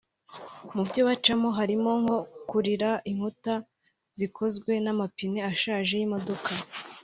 Mu byo bacamo harimo nko kurira inkuta zikozwe n’amapine ashaje y’imodoka